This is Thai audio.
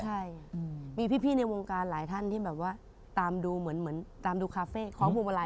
ใช่มีพี่ในวงการหลายท่านที่แบบว่าตามดูเหมือนตามดูคาเฟ่คล้องพวงมาลัย